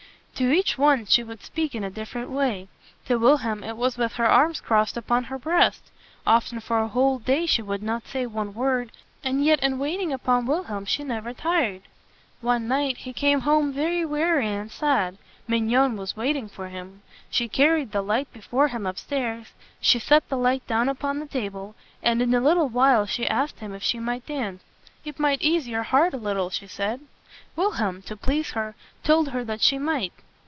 To each one she would speak in a different way. To Wilhelm it was with her arms crossed upon her breast. Often for a whole day she would not say one word, and yet in waiting upon Wilhelm she never tired. One night he came home very weary and sad. Mignon was waiting for him. She carried the light before him up stairs. She set the light down upon the table, and in a little while she asked him if she might dance. "It might ease your heart a little," she said. Wilhelm, to please her, told her that she might.